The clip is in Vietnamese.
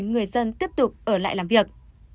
người dân tiếp tục ở lại làm việc